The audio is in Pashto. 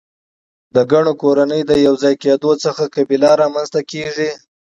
د ګڼو کورنیو د یو ځای کیدو څخه قبیله رامنځ ته کیږي.